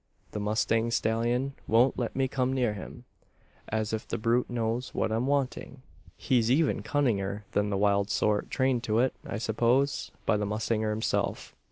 The mustang stallion won't let me come near him as if the brute knows what I'm wanting! "He's even cunninger than the wild sort trained to it, I suppose, by the mustanger himself.